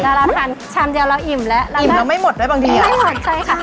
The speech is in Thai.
ใช่แล้วเราทานชามเดียวเราอิ่มแล้วอิ่มแล้วไม่หมดไว้บางทีอ่ะไม่หมดใช่ค่ะ